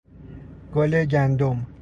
گل گندم